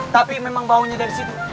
tapi memang baunya dari situ